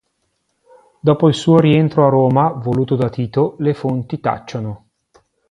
Dopo il suo rientro a Roma, voluto da Tito, le fonti tacciono.